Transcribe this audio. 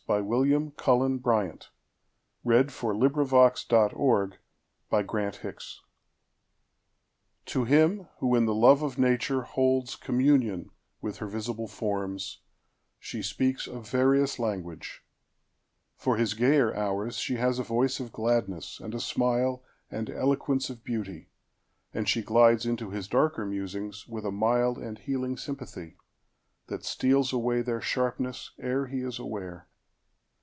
1912. William Cullen Bryant 1794–1878 William Cullen Bryant 16 Thanatopsis TO HIM who in the love of Nature holdsCommunion with her visible forms, she speaksA various language; for his gayer hoursShe has a voice of gladness, and a smileAnd eloquence of beauty, and she glidesInto his darker musings, with a mildAnd healing sympathy, that steals awayTheir sharpness, ere he is aware.